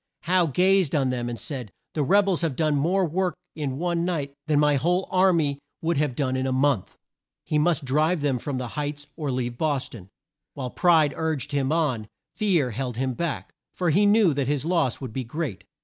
Howe gazed on them and said, "The reb els have done more work in one night than my whole ar my would have done in a month." He must drive them from the Heights, or leave Bos ton. While pride urged him on, fear held him back, for he knew that his loss would be great.